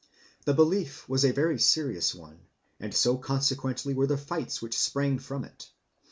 The belief was a very serious one, and so consequently were the fights which sprang from it.